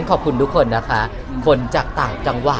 ขอบคุณทุกคนนะคะคนจากต่างจังหวัด